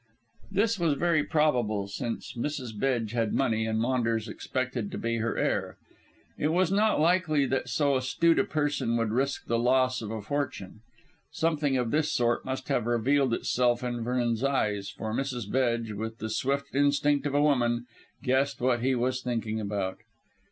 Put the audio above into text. This was very probable, since Mrs. Bedge had money, and Maunders expected to be her heir. It was not likely that so astute a person would risk the loss of a fortune. Something of this sort must have revealed itself in Vernon's eyes, for Mrs. Bedge, with the swift instinct of a woman, guessed what he was thinking about.